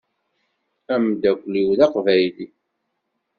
Ameddakel-iw d aqbayli.